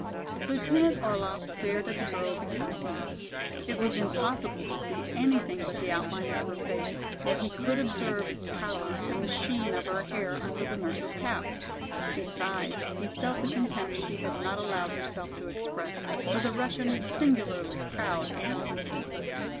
Lieutenant Orlaff stared at the girl beside him. It was impossible to see anything but the outline of her face, yet he could observe its pallor and the sheen of her hair under the nurse's cap. Besides, he felt the contempt she had not allowed herself to express, for the Russian is singularly proud and sensitive.